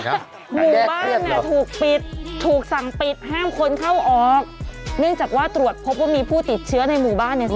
หมู่บ้านถูกปิดถูกสั่งปิดห้ามคนเข้าออกเนื่องจากว่าตรวจพบว่ามีผู้ติดเชื้อในหมู่บ้านเนี่ย